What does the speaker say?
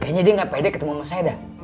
kayanya dia gak pede ketemu mas seda